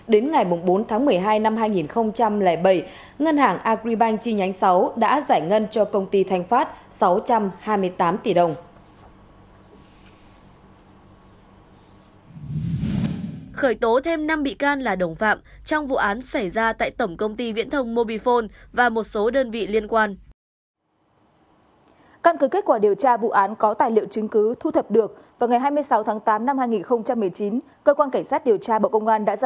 đến ngày bốn tháng một mươi hai năm hai nghìn bảy ngân hàng agribank chi nhánh sáu đã giải ngân cho công ty thanh phát sáu trăm hai mươi tám tỷ đồng